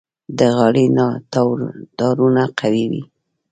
د غالۍ تارونه قوي وي.